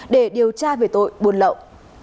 để điều tra về tội buôn lậu